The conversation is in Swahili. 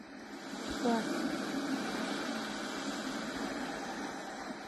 Wa kuwa na akiba ya bidhaa muhimu na kubadilisha njia ya usafirishaji bidhaa kupitia Tanzania.